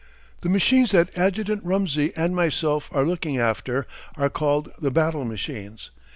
The machines that Adjt. Rumsey and myself are looking after are called the battle machines.